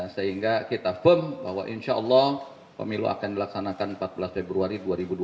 sehingga kita firm bahwa insya allah pemilu akan dilaksanakan empat belas februari dua ribu dua puluh